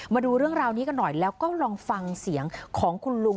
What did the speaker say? มาดูเรื่องราวนี้กันหน่อยแล้วก็ลองฟังเสียงของคุณลุง